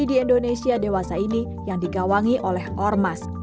di indonesia dewasa ini yang digawangi oleh ormas